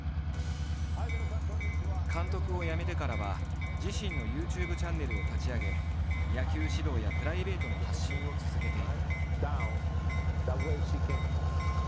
監督を辞めてからは自身のＹｏｕＴｕｂｅチャンネルを立ち上げ野球指導やプライベートの発信を続けている。